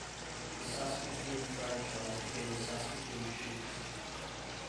The Saskatoon franchise became the Saskatoon Sheiks.